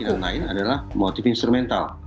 yang lain adalah motif instrumental